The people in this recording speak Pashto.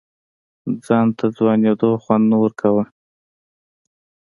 ځان ته ځوانېدو خوند نه ورکوه.